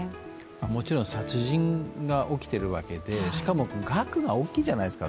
もちろん殺人が起きてるわけでしかも額が大きいじゃないですか。